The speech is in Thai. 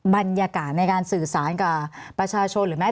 บรรยากาศในการสื่อสารกับประชาชนหรือแม้